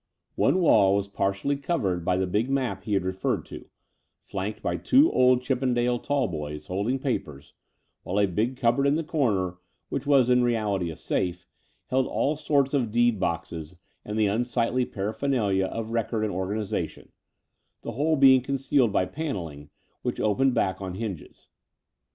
One wall was partially covered by the big map he had referred to, flanked by two old Chippendale tallboys, holding papers, while a big cupboard in the comer, which was in reaUty a safe, held all sorts of deed boxes and the unsightly para phernalia of record and organization — ^the whole being concealed by panelling, which opened back on hinges.